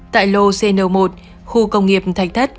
tại lô cn một khu công nghiệp thạch thất